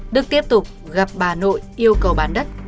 đức tiếp tục gặp bà nội yêu cầu bán đất